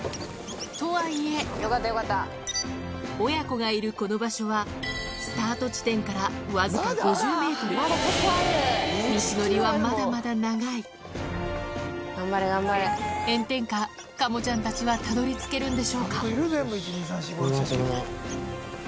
とはいえ親子がいるこの場所はスタート地点からわずか５０ｍ道のりはまだまだ長い炎天下カモちゃんたちはたどり着けるんでしょうか？